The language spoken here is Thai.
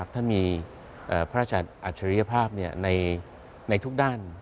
ท่านมีพระราชอัจฉริยภาพในทุกด้าน